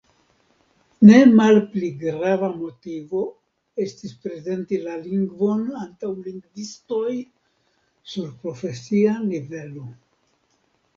Ne malpli grava motivo estis prezenti la lingvon antaŭ lingvistoj sur profesia nivelo.